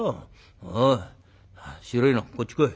おい白いのこっち来い。